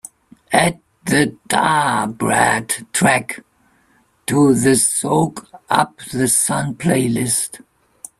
Add the da brat track to the Soak Up The Sun playlist.